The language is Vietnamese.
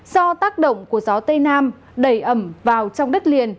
do tác động của gió tây nam đẩy ẩm vào trong đất liền